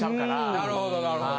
なるほどなるほど。